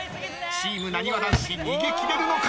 ［チームなにわ男子逃げ切れるのか？］